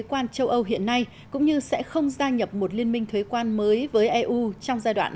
quan châu âu hiện nay cũng như sẽ không gia nhập một liên minh thuế quan mới với eu trong giai đoạn